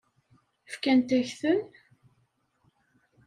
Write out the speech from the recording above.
Fkant-ak-ten?